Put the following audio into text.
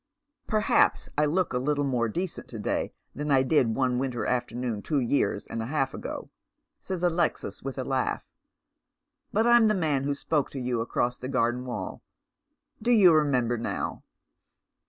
" Perhaps I look a little more decent to day than I did one ■winter afternoon two years and a half ago," says Alexis, with a laugh, " but I'm the man who spoke to you across the garden wall. Do you remember now